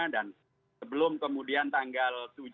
dan sebelum kemudian tanggal